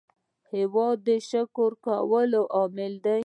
هېواد د شکر کولو لامل دی.